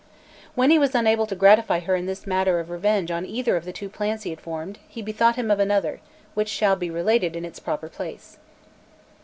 When he was unable to gratify her in this matter of revenge on either of the two plans he had formed, he bethought him of another, which shall be related in its proper place.